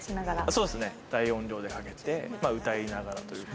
そうですね、大音量でかけて、歌いながらというか。